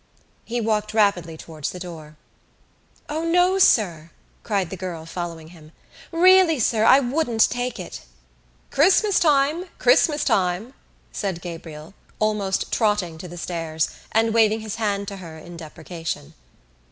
He walked rapidly towards the door. "O no, sir!" cried the girl, following him. "Really, sir, I wouldn't take it." "Christmas time! Christmas time!" said Gabriel, almost trotting to the stairs and waving his hand to her in deprecation.